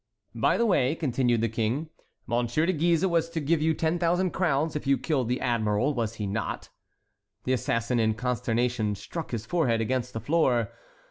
"By the way," continued the King, "M. de Guise was to give you ten thousand crowns if you killed the admiral—was he not?" The assassin in consternation struck his forehead against the floor.